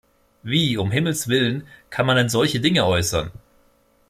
Wie, um Himmels willen, kann man denn solche Dinge äußern?